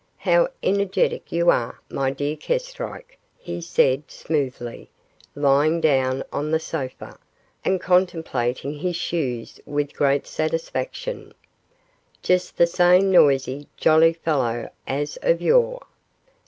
'How energetic you are, my dear Kestrike,' he said, smoothly, lying down on the sofa, and contemplating his shoes with great satisfaction; 'just the same noisy, jolly fellow as of yore.